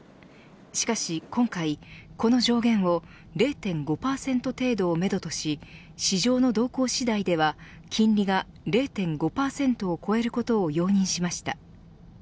しかし、今回この上限を０．５％程度をめどとし市場の動向次第では金利が０．５％を超えることを容認しました。